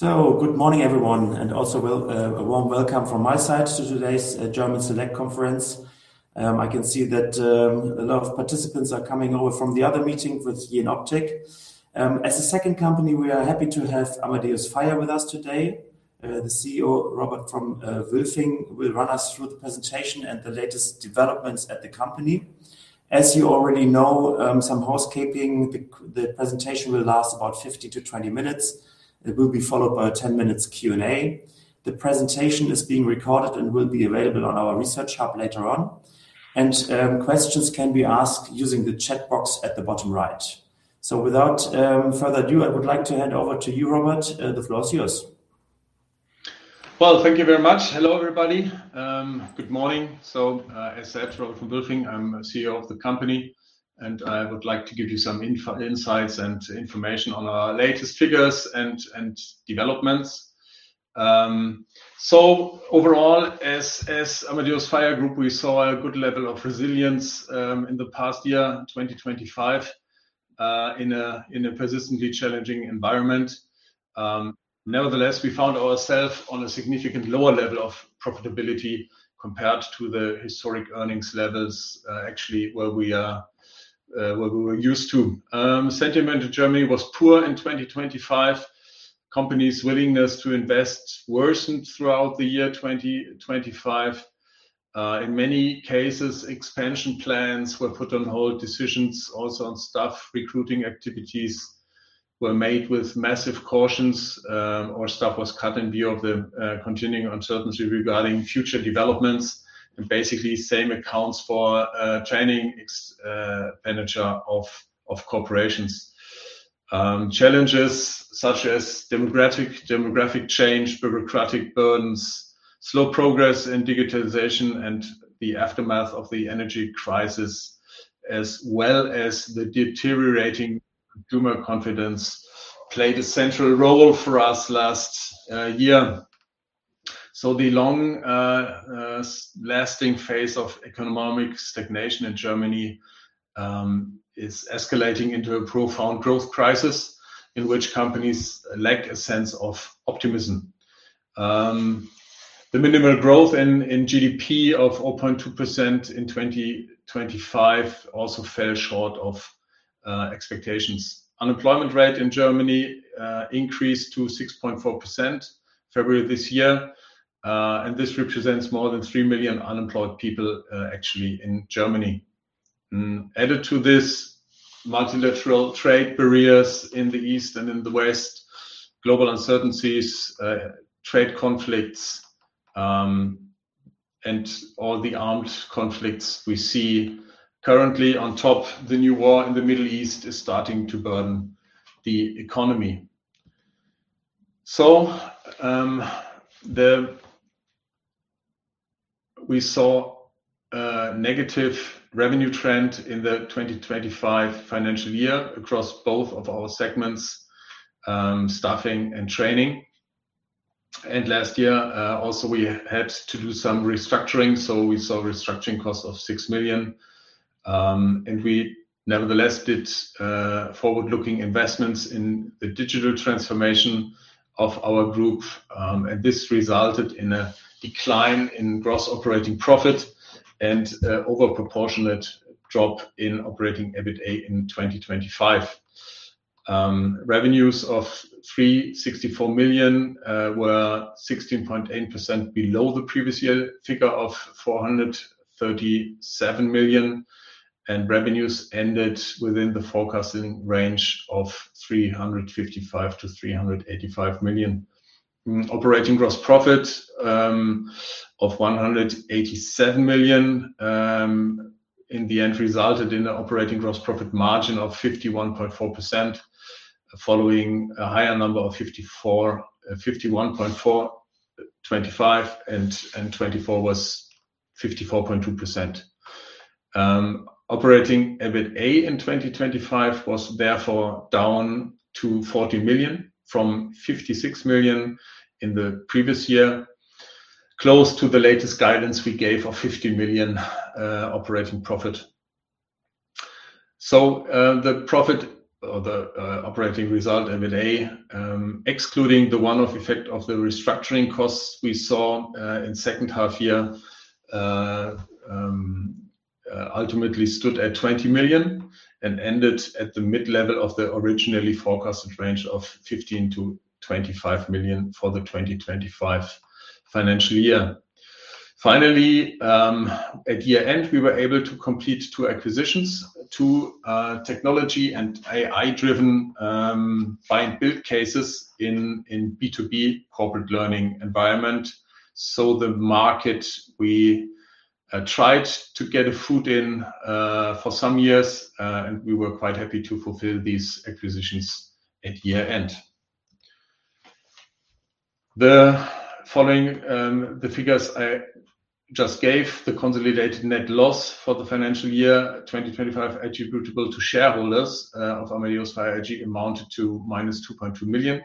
Good morning, everyone, and also a warm welcome from my side to today's German Select Conference. I can see that a lot of participants are coming over from the other meeting with Jenoptik. As a second company, we are happy to have Amadeus Fire with us today. The CEO, Robert von Wülfing, will run us through the presentation and the latest developments at the company. As you already know, some housekeeping. The presentation will last about 50 to 20 minutes. It will be followed by a 10 minutes Q&A. The presentation is being recorded and will be available on our research hub later on, and questions can be asked using the chat box at the bottom right. So without further ado, I would like to hand over to you, Robert. The floor is yours. Well, thank you very much. Hello, everybody. Good morning. As said, Robert von Wülfing. I'm CEO of the company, and I would like to give you some insights and information on our latest figures and developments. Overall, as Amadeus Fire Group, we saw a good level of resilience in the past year, 2025, in a persistently challenging environment. Nevertheless, we found ourselves on a significantly lower level of profitability compared to the historic earnings levels actually where we were used to. Sentiment in Germany was poor in 2025. Companies' willingness to invest worsened throughout the year 2025. In many cases, expansion plans were put on hold, decisions also on staff recruiting activities were made with massive cautions, or staff was cut in view of the continuing uncertainty regarding future developments, and basically same accounts for training expenditure of corporations. Challenges such as demographic change, bureaucratic burdens, slow progress in digitalization, and the aftermath of the energy crisis, as well as the deteriorating consumer confidence, played a central role for us last year. So the long-lasting phase of economic stagnation in Germany is escalating into a profound growth crisis in which companies lack a sense of optimism. The minimal growth in GDP of 0.2% in 2025 also fell short of expectations. Unemployment rate in Germany increased to 6.4% February this year, and this represents more than 3 million unemployed people actually in Germany. Added to this, multilateral trade barriers in the East and in the West, global uncertainties, trade conflicts, and all the armed conflicts we see currently. On top, the new war in the Middle East is starting to burn the economy. We saw a negative revenue trend in the 2025 financial year across both of our segments, staffing and training. Last year also, we had to do some restructuring, so we saw restructuring costs of 6 million. We nevertheless did forward-looking investments in the digital transformation of our group, and this resulted in a decline in gross operating profit and overproportionate drop in operating EBITDA in 2025. Revenues of 364 million were 16.8% below the previous year figure of 437 million, and revenues ended within the forecasting range of 355 million-385 million. Operating gross profit of 187 million in the end resulted in an operating gross profit margin of 51.4%, following a higher number of 51.4% in 2025, and 2024 was 54.2%. Operating EBITDA in 2025 was therefore down to 40 million from 56 million in the previous year, close to the latest guidance we gave of 50 million operating profit. The profit or the operating result, EBITDA, excluding the one-off effect of the restructuring costs we saw in second half year, ultimately stood at 20 million and ended at the mid-level of the originally forecasted range of 15 million-25 million for the 2025 financial year. Finally, at year-end, we were able to complete two acquisitions, two technology and AI-driven buy and build cases in B2B corporate learning environment, the market we tried to get a foot in for some years, and we were quite happy to fulfill these acquisitions at year-end. Following the figures I just gave, the consolidated net loss for the financial year 2025 attributable to shareholders of Amadeus Fire AG amounted to -2.2 million.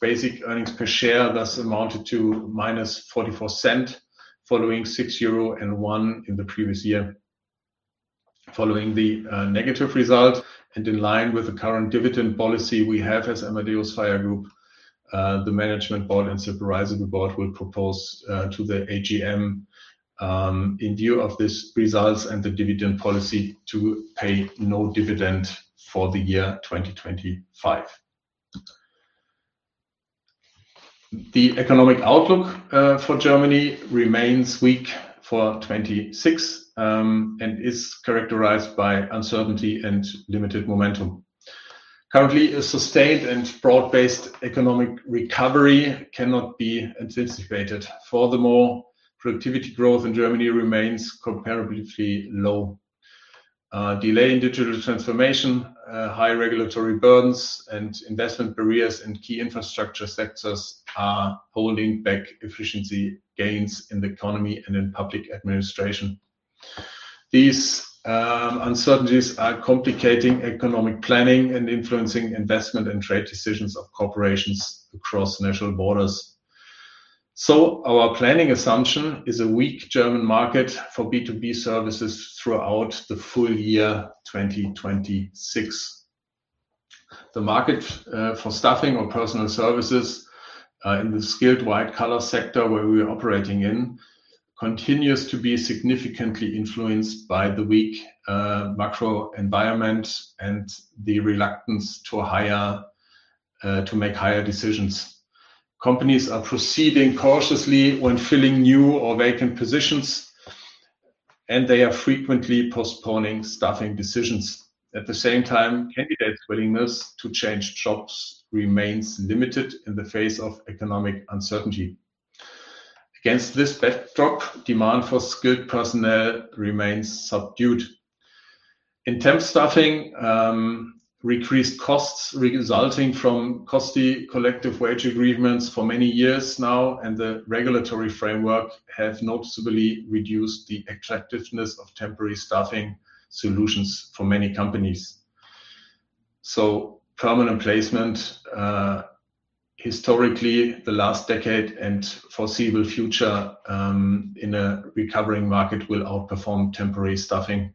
Basic earnings per share thus amounted to -0.44, following 6.01 euro in the previous year. Following the negative result and in line with the current dividend policy we have as Amadeus FiRe Group, the Management Board and Supervisory Board will propose to the AGM in view of these results and the dividend policy to pay no dividend for the year 2025. The economic outlook for Germany remains weak for 2026 and is characterized by uncertainty and limited momentum. Currently, a sustained and broad-based economic recovery cannot be anticipated. Furthermore, productivity growth in Germany remains comparatively low. Delay in digital transformation, high regulatory burdens, and investment barriers in key infrastructure sectors are holding back efficiency gains in the economy and in public administration. These uncertainties are complicating economic planning and influencing investment and trade decisions of corporations across national borders. Our planning assumption is a weak German market for B2B services throughout the full year 2026. The market for staffing or Personnel Services in the skilled white-collar sector where we are operating in continues to be significantly influenced by the weak macro environment and the reluctance to make hire decisions. Companies are proceeding cautiously when filling new or vacant positions, and they are frequently postponing staffing decisions. At the same time, candidates' willingness to change jobs remains limited in the face of economic uncertainty. Against this backdrop, demand for skilled personnel remains subdued. In temp staffing, increased costs resulting from costly collective wage agreements for many years now and the regulatory framework have noticeably reduced the attractiveness of temporary staffing solutions for many companies. Permanent placement, historically the last decade and foreseeable future, in a recovering market will outperform temporary staffing.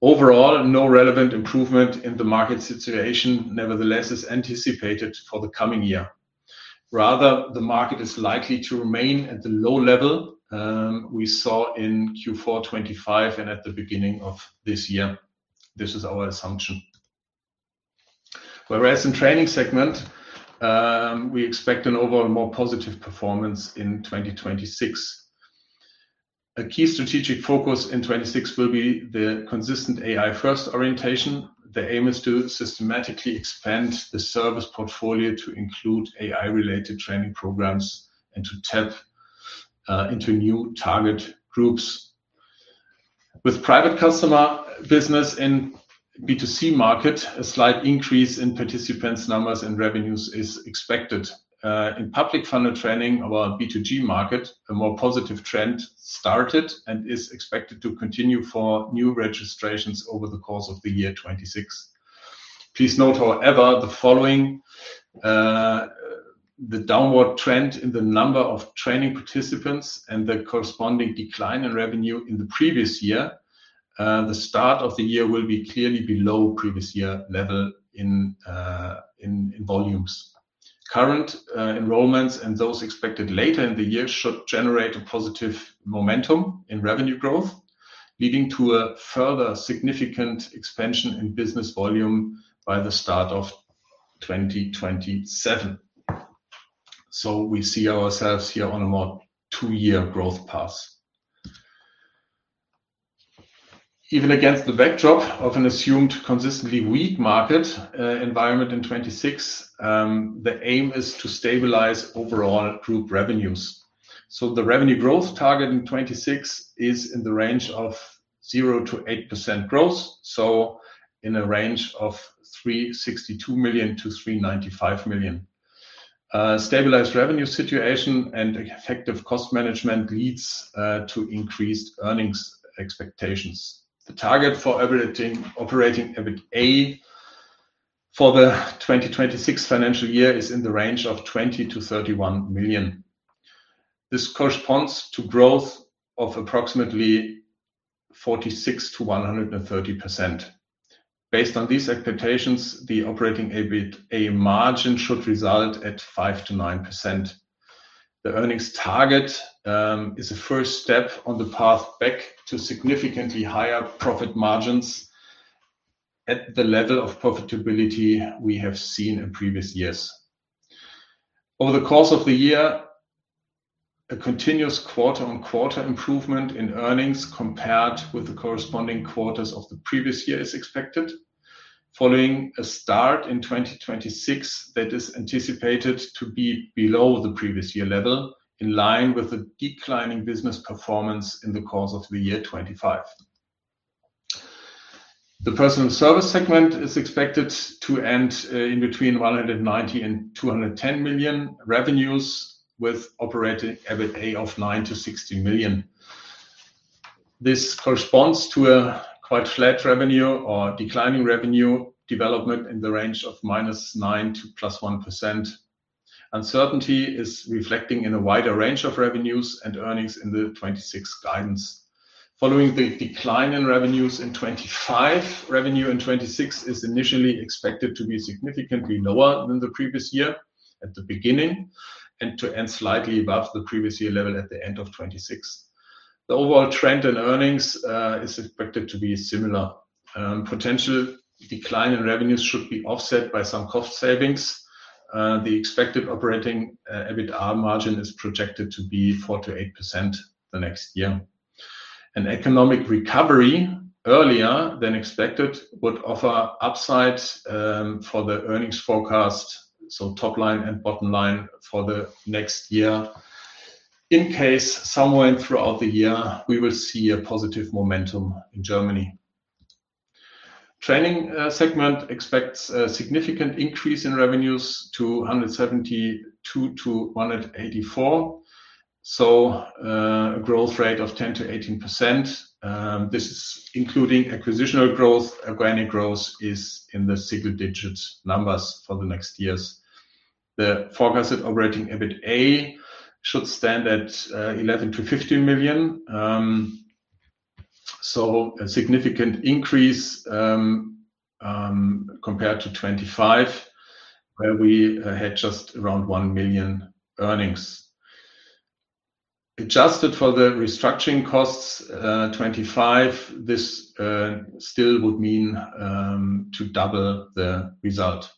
Overall, no relevant improvement in the market situation, nevertheless, is anticipated for the coming year. Rather, the market is likely to remain at the low level we saw in Q4 2025 and at the beginning of this year. This is our assumption. Whereas in Training segment, we expect an overall more positive performance in 2026. A key strategic focus in 2026 will be the consistent AI-first orientation. The aim is to systematically expand the service portfolio to include AI-related training programs and to tap into new target groups. With private customer business in B2C market, a slight increase in participants numbers and revenues is expected. In public funded training, our B2G market, a more positive trend started and is expected to continue for new registrations over the course of the year 2026. Please note, however, the following. The downward trend in the number of training participants and the corresponding decline in revenue in the previous year, the start of the year will be clearly below previous year level in volumes. Current enrollments and those expected later in the year should generate a positive momentum in revenue growth, leading to a further significant expansion in business volume by the start of 2027. We see ourselves here on a more two-year growth path. Even against the backdrop of an assumed consistently weak market environment in 2026, the aim is to stabilize overall Group revenues. The revenue growth target in 2026 is in the range of 0%-8% growth. In a range of 362 million-395 million. A stabilized revenue situation and effective cost management leads to increased earnings expectations. The target for operating EBITA for the 2026 financial year is in the range of 20 million-31 million. This corresponds to growth of approximately 46%-130%. Based on these expectations, the operating EBITA margin should result at 5%-9%. The earnings target is a first step on the path back to significantly higher profit margins at the level of profitability we have seen in previous years. Over the course of the year, a continuous quarter-on-quarter improvement in earnings compared with the corresponding quarters of the previous year is expected following a start in 2026 that is anticipated to be below the previous year level, in line with the declining business performance in the course of the year 2025. The Personnel Services segment is expected to end in between 190 million and 210 million revenues, with operating EBITA of 9 million-16 million. This corresponds to a quite flat revenue or declining revenue development in the range of -9% to +1%. Uncertainty is reflecting in a wider range of revenues and earnings in the 2026 guidance. Following the decline in revenues in 2025, revenue in 2026 is initially expected to be significantly lower than the previous year at the beginning, and to end slightly above the previous year level at the end of 2026. The overall trend in earnings is expected to be similar. Potential decline in revenues should be offset by some cost savings. The expected operating EBITDA margin is projected to be 4%-8% the next year. An economic recovery earlier than expected would offer upside for the earnings forecast, so top line and bottom line for the next year, in case somewhere throughout the year we will see a positive momentum in Germany. Training segment expects a significant increase in revenues to 172 million-184 million, so a growth rate of 10%-18%. This is including acquisitional growth. Organic growth is in the single-digit numbers for the next years. The forecasted operating EBITA should stand at 11 million-15 million. A significant increase compared to 2025, where we had just around 1 million earnings. Adjusted for the restructuring costs, 2025, this still would mean to double the result.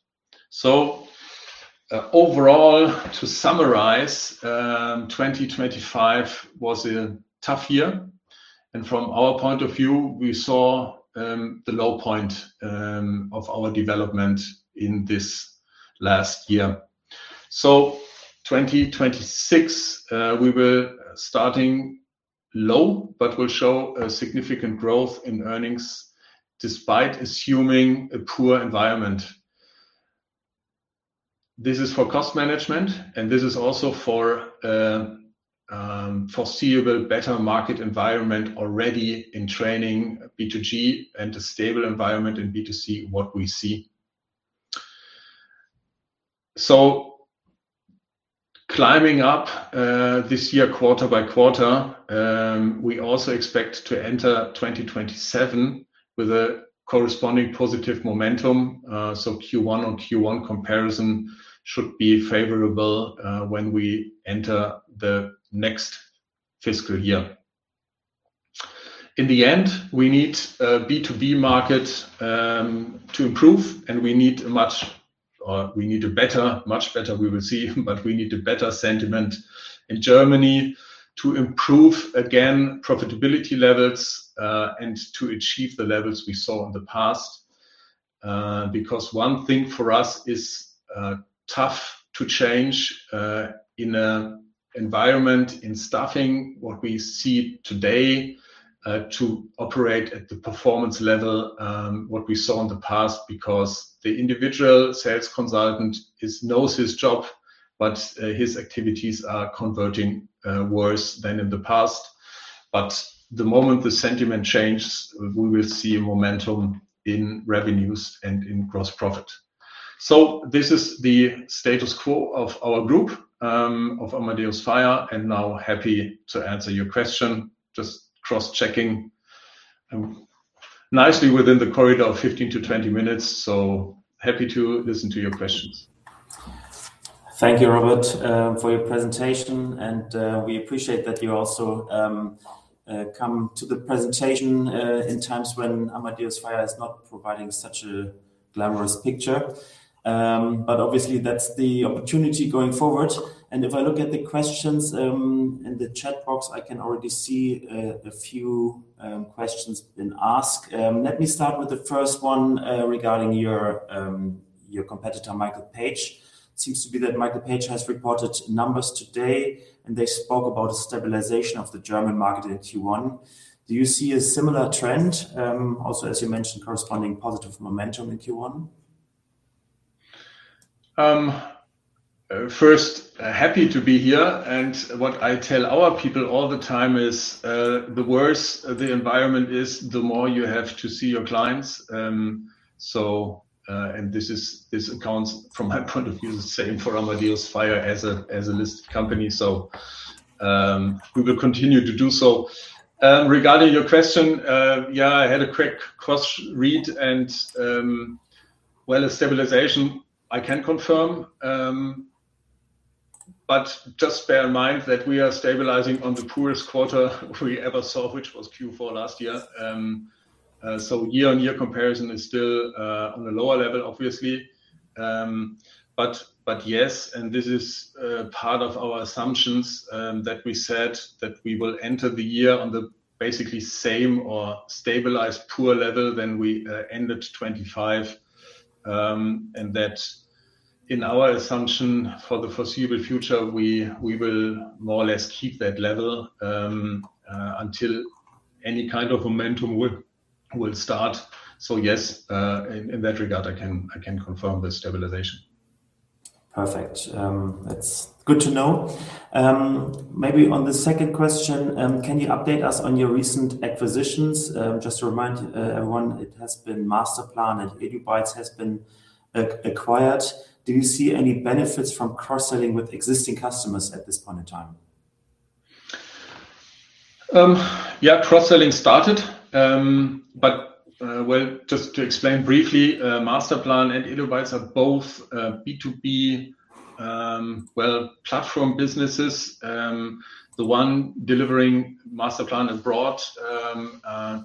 Overall, to summarize, 2025 was a tough year, and from our point of view, we saw the low point of our development in this last year. 2026, we were starting low but will show a significant growth in earnings despite assuming a poor environment. This is for cost management and this is also for foreseeable better market environment already in Training, B2G, and a stable environment in B2C, what we see. Climbing up this year quarter-by-quarter, we also expect to enter 2027 with a corresponding positive momentum. Q1-on-Q1 comparison should be favorable when we enter the next fiscal year. In the end, we need B2B market to improve and we need a better sentiment in Germany to improve again profitability levels and to achieve the levels we saw in the past. One thing for us is tough to change in the environment in staffing what we see today, to operate at the performance level what we saw in the past, because the individual sales consultant knows his job, but his activities are converting worse than in the past. The moment the sentiment changes, we will see a momentum in revenues and in gross profit. This is the status quo of our Group, of Amadeus Fire, and now happy to answer your question. Just cross-checking. Nicely within the corridor of 15 minutes-20 minutes, so happy to listen to your questions. Thank you, Robert, for your presentation, and we appreciate that you also come to the presentation in times when Amadeus Fire is not providing such a glamorous picture. Obviously that's the opportunity going forward. If I look at the questions in the chat box, I can already see a few questions been asked. Let me start with the first one regarding your competitor, Michael Page. Seems to be that Michael Page has reported numbers today, and they spoke about a stabilization of the German market in Q1. Do you see a similar trend, also, as you mentioned, corresponding positive momentum in Q1? First, I am happy to be here, and what I tell our people all the time is, the worse the environment is, the more you have to see your clients. This accounts from my point of view, the same for Amadeus Fire as a listed company, so we will continue to do so. Regarding your question, yeah, I had a quick cross-read and, well, a stabilization I can confirm. Just bear in mind that we are stabilizing on the poorest quarter we ever saw, which was Q4 last year. Year-on-year comparison is still on a lower level, obviously. Yes, and this is part of our assumptions, that we said that we will enter the year on the basically same or stabilized poor level than we ended 2025. That in our assumption for the foreseeable future, we will more or less keep that level until any kind of momentum will start. Yes, in that regard, I can confirm the stabilization. Perfect. That's good to know. Maybe on the second question, can you update us on your recent acquisitions? Just to remind everyone, it has been Masterplan and eduBITES has been acquired. Do you see any benefits from cross-selling with existing customers at this point in time? Yeah, cross-selling started. Just to explain briefly, Masterplan and eduBITES are both B2B platform businesses, the one delivering Masterplan, a broad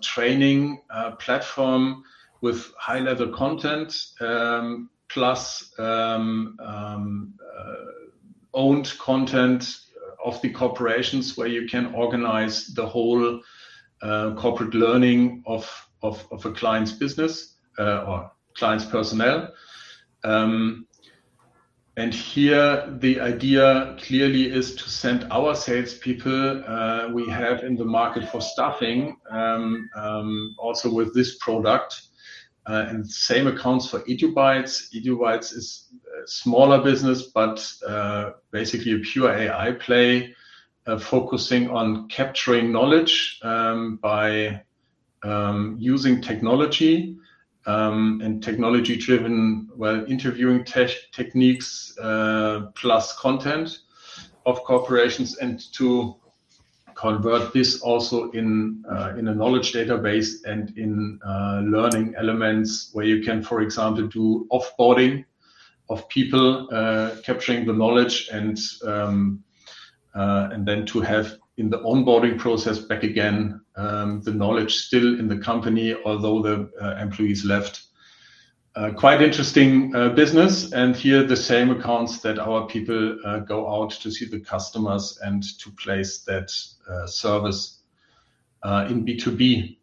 training platform with high-level content, plus owned content of the corporations where you can organize the whole corporate learning of a client's business or client's personnel. Here the idea clearly is to send our salespeople we have in the market for staffing, also with this product. The same accounts for eduBITES. eduBITES is a smaller business, but basically a pure AI play focusing on capturing knowledge by using technology and technology-driven interviewing techniques, plus content of corporations, and to convert this also in a knowledge database and in learning elements where you can, for example, do off-boarding of people, capturing the knowledge and then to have in the onboarding process back again, the knowledge still in the company, although the employees left. Quite interesting business. Here the same accounts that our people go out to see the customers and to place that service in B2B.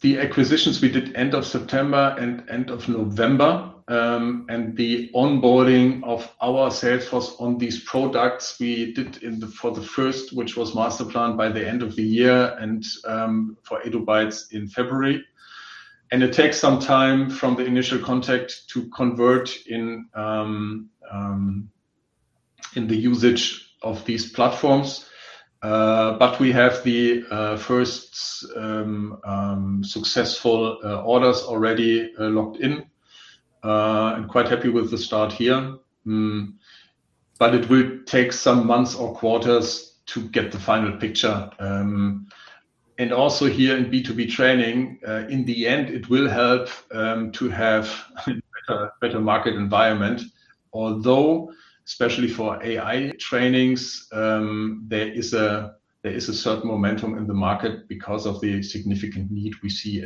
The acquisitions we did end of September and end of November, and the onboarding of our sales force on these products we did for the first, which was Masterplan by the end of the year, and for eduBITES in February. It takes some time from the initial contact to convert in the usage of these platforms. We have the first successful orders already locked in, and quite happy with the start here. It will take some months or quarters to get the final picture. Also here in B2B training, in the end, it will help to have better market environment, although especially for AI trainings, there is a certain momentum in the market because of the significant need we see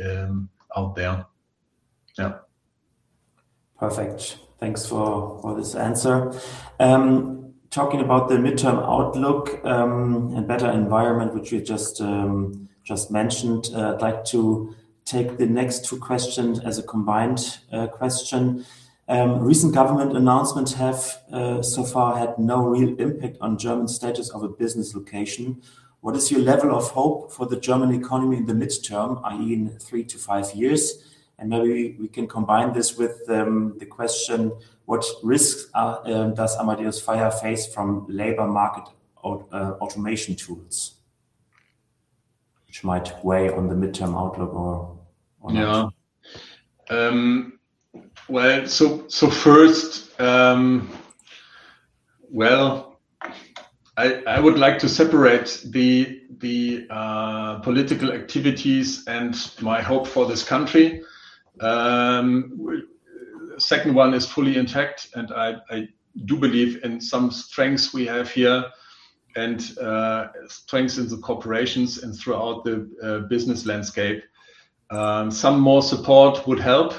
out there. Yeah. Perfect. Thanks for this answer. Talking about the midterm outlook and better environment which you just mentioned, I'd like to take the next two questions as a combined question. Recent government announcements have so far had no real impact on German status of a business location. What is your level of hope for the German economy in the midterm, i.e., in three to five years? Maybe we can combine this with the question, what risks does Amadeus Fire face from labor market automation tools, which might weigh on the midterm outlook or not? Yeah. First, I would like to separate the political activities and my hope for this country. Second one is fully intact, and I do believe in some strengths we have here and strengths in the corporations and throughout the business landscape. Some more support would help.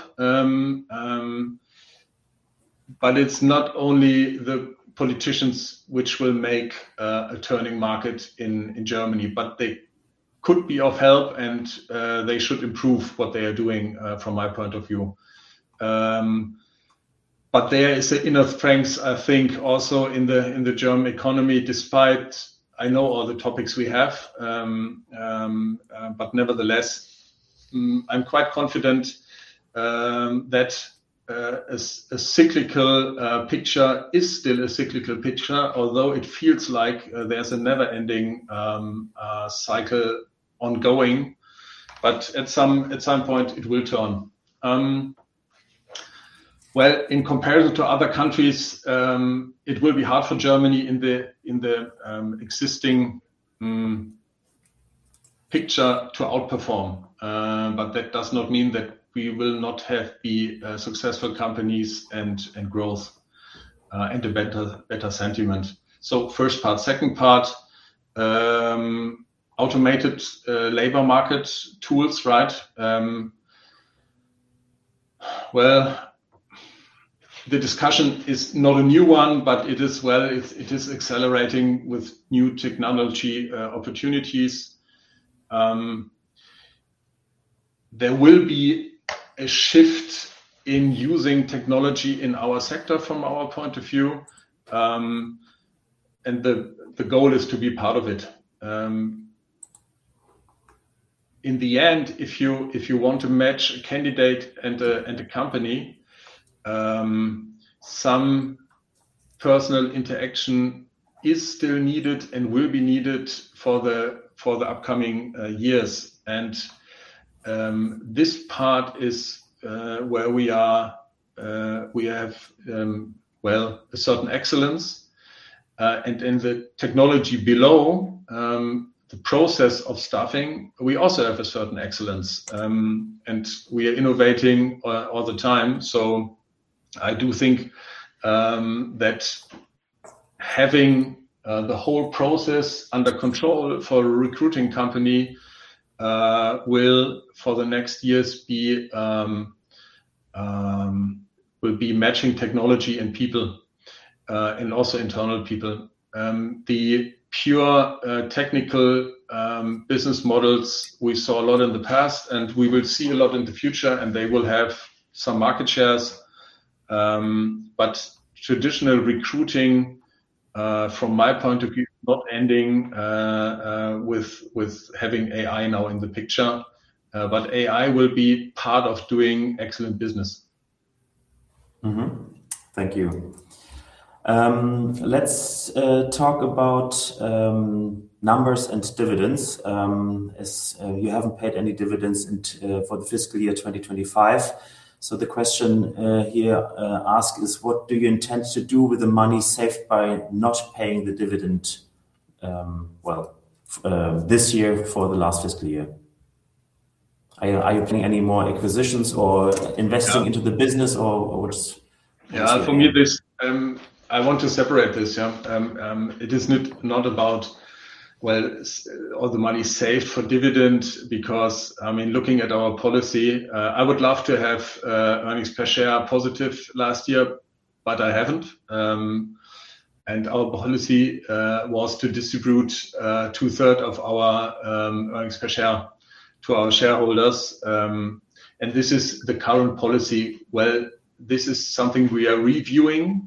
It's not only the politicians which will make a turning market in Germany, but they could be of help, and they should improve what they are doing, from my point of view. There is enough strengths, I think, also in the German economy, despite I know all the topics we have. Nevertheless, I'm quite confident that a cyclical picture is still a cyclical picture. Although it feels like there's a never-ending cycle ongoing, but at some point it will turn. Well, in comparison to other countries, it will be hard for Germany in the existing picture to outperform. That does not mean that we will not have successful companies and growth and a better sentiment. First part. Second part, automated labor market tools, right? Well, the discussion is not a new one, but it is accelerating with new technology opportunities. There will be a shift in using technology in our sector from our point of view. The goal is to be part of it. In the end, if you want to match a candidate and a company, some personal interaction is still needed and will be needed for the upcoming years. This part is where we have a certain excellence. In the technology below, the process of staffing, we also have a certain excellence. We are innovating all the time. I do think that having the whole process under control for a recruiting company will, for the next years, be matching technology and people, and also internal people. The pure technical business models, we saw a lot in the past, and we will see a lot in the future, and they will have some market shares. Traditional recruiting, from my point of view, not ending with having AI now in the picture. AI will be part of doing excellent business. Thank you. Let's talk about numbers and dividends, as you haven't paid any dividends for the fiscal year 2025. The question here asked is what do you intend to do with the money saved by not paying the dividend this year for the last fiscal year? Are you planning any more acquisitions or investing into the business? Yeah, for me, I want to separate this. It is not about all the money saved for dividend because, looking at our policy, I would love to have earnings per share positive last year, but I haven't. Our policy was to distribute two-third of our earnings per share to our shareholders. This is the current policy. This is something we are reviewing.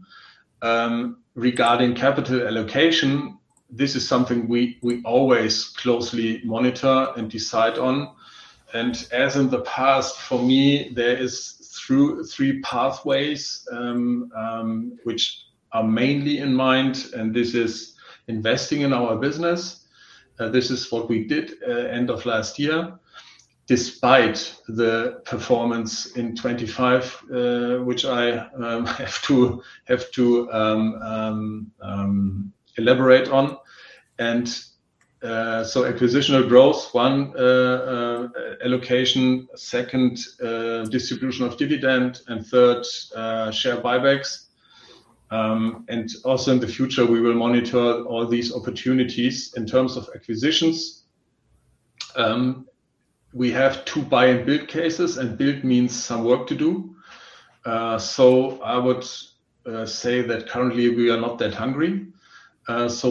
Regarding capital allocation, this is something we always closely monitor and decide on. As in the past, for me, there is three pathways which are mainly in mind, and this is investing in our business. This is what we did end of last year, despite the performance in 2025, which I have to elaborate on. Acquisitional growth, one, allocation, second, distribution of dividend, and third, share buybacks. Also in the future, we will monitor all these opportunities. In terms of acquisitions, we have two buy and build cases, and build means some work to do. I would say that currently we are not that hungry.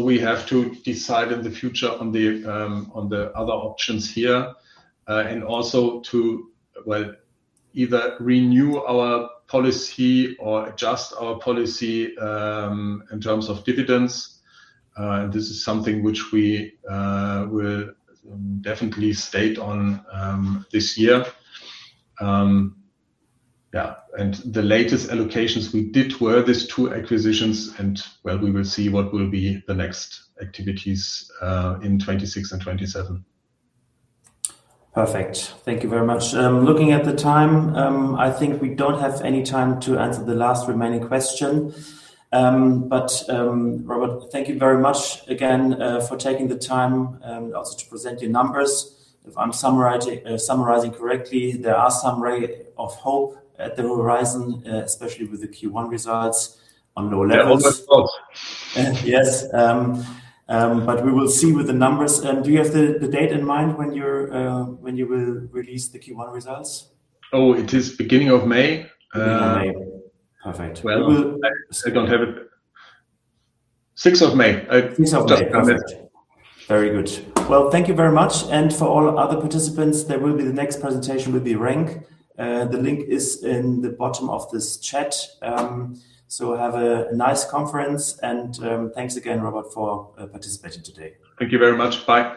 We have to decide in the future on the other options here, also to either renew our policy or adjust our policy in terms of dividends. This is something which we will definitely state on this year. Yeah. The latest allocations we did were these two acquisitions, and we will see what will be the next activities in 2026 and 2027. Perfect. Thank you very much. Looking at the time, I think we don't have any time to answer the last remaining question. Robert, thank you very much again for taking the time also to present your numbers. If I'm summarizing correctly, there are some ray of hope at the horizon, especially with the Q1 results on lower levels. I hope. Yes. We will see with the numbers. Do you have the date in mind when you will release the Q1 results? Oh, it is beginning of May. Beginning of May. Perfect. Well, I don't have it. 6th of May. 6th of May. Perfect. Very good. Well, thank you very much. For all other participants, the next presentation will be RENK. The link is in the bottom of this chat. Have a nice conference. Thanks again, Robert, for participating today. Thank you very much. Bye.